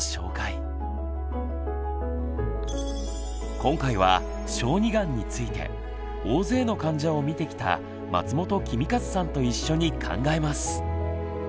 今回は小児がんについて大勢の患者をみてきた松本公一さんと一緒に考えます！